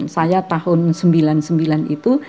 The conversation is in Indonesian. saya tahun sembilan puluh sembilan itu